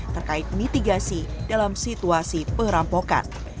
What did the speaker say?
terkait mitigasi dalam situasi perampokan